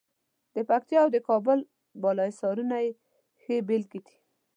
د پکتیا او د کابل بالا حصارونه یې ښې بېلګې دي.